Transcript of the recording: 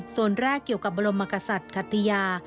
ส่วนแรกเกี่ยวกับบรมกษัตริย์คติยา